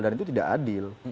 dan itu tidak adil